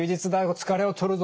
疲れを取るぞ。